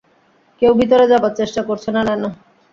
কেউ ভিতরে যাবার চেষ্টা করছে না, নায়না।